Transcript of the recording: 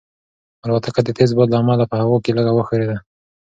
الوتکه د تېز باد له امله په هوا کې لږه وښورېده.